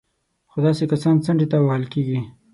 خو داسې کسان څنډې ته وهل کېږي